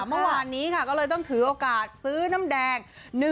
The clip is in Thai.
เมื่อวานนี้ค่ะก็เลยต้องถือโอกาสซื้อน้ำแดง